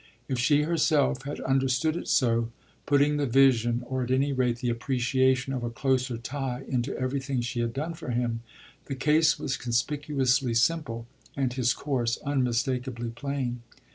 If she herself had understood it so, putting the vision, or at any rate the appreciation, of a closer tie into everything she had done for him, the case was conspicuously simple and his course unmistakably plain.